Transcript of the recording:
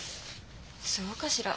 そうかしら？